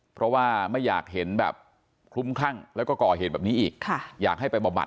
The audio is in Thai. เพราะว่าไม่อยากเห็นแบบคลุ้มคลั่งแล้วก็ก่อเหตุแบบนี้อีกอยากให้ไปบำบัด